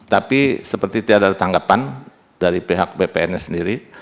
tapi seperti tiada tanggapan dari pihak bpn nya sendiri